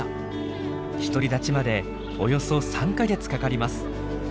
独り立ちまでおよそ３か月かかります。